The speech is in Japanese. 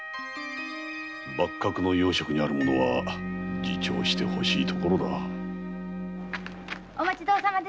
幕閣の要職にある者は自重してほしいところだ。